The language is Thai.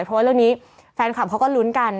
เพราะว่าเรื่องนี้แฟนคลับเขาก็ลุ้นกัน